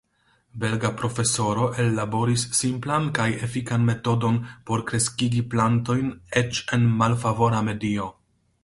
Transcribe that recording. Belga profesoro ellaboris simplan kaj efikan metodon por kreskigi plantojn eĉ en malfavora medio.